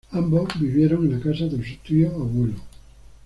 Ambos vivieron en la casa de su tío abuelo.